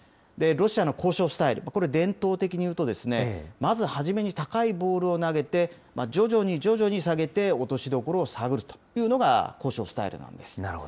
ロシアの交渉スタイル、これ、伝統的に言うと、まず初めに高いボールを投げて、徐々に徐々に下げて、落としどころを探るというのが交渉スタイルなんです。